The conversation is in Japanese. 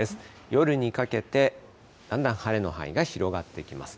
夜にかけてだんだん晴れの範囲が広がってきます。